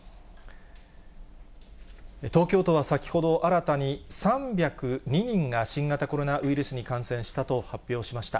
東京都は先ほど、新たに３０２人が新型コロナウイルスに感染したと発表しました。